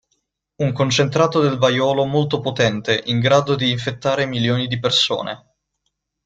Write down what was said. Un concentrato del vaiolo molto potente in grado di infettare milioni di persone.